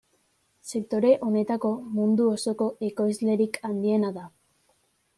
Sektore honetako mundu osoko ekoizlerik handiena da.